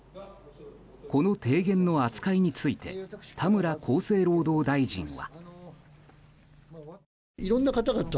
この提言の扱いについて田村厚生労働大臣は。